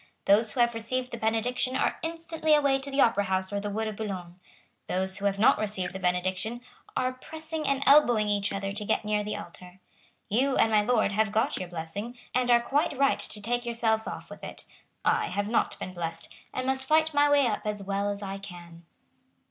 Those who have received the benediction are instantly away to the Opera House or the wood of Boulogne. Those who have not received the benediction are pressing and elbowing each other to get near the altar. You and my Lord have got your blessing, and are quite right to take yourselves off with it. I have not been blest, and must fight my way up as well as I can."